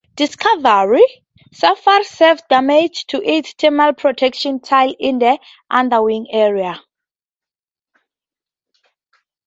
"Discovery" suffered severe damage to its thermal protection tiles in the underwing area.